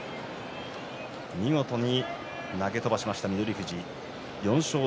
見事に投げ飛ばしました翠富士です。